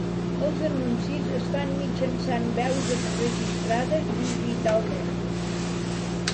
Els anuncis es fan mitjançant veus enregistrades digitalment.